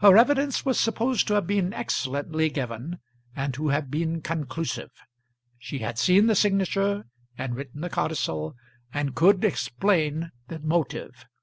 Her evidence was supposed to have been excellently given, and to have been conclusive. She had seen the signature, and written the codicil, and could explain the motive.